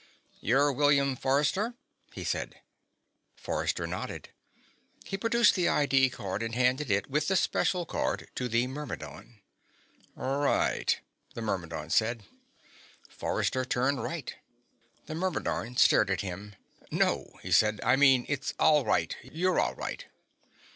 "You're William Forrester?" he said. Forrester nodded. He produced the ID card and handed it with the special card to the Myrmidon. "Right," the Myrmidon said. Forrester turned right. The Myrmidon stared at him. "No," he said. "I mean it's all right. You're all right."